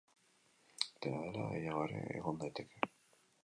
Dena dela, gehiago ere egon daiteke.